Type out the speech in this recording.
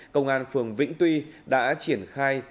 công an phường vĩnh tuy đã triển khai